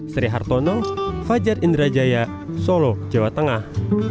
sri hartono fajar indrajaya solo jawa tengah